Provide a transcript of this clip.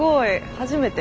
初めて？